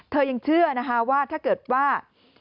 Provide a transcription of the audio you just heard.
ยังเชื่อนะคะว่าถ้าเกิดว่า